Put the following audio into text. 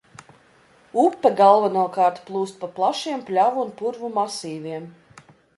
Upe galvenokārt plūst pa plašiem pļavu un purvu masīviem.